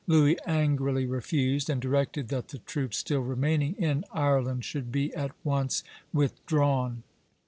Louis angrily refused, and directed that the troops still remaining in Ireland should be at once withdrawn.